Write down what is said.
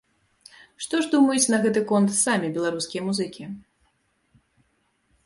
Што ж думаюць на гэты конт самі беларускія музыкі?